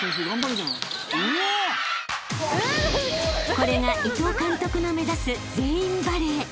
［これが伊藤監督の目指す全員バレー］